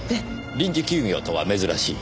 臨時休業とは珍しい。